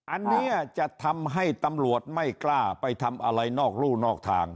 อันนี้จะทำให้ตำรวจไม่กล้าไปทำอะไรนอกรู่นอกทาง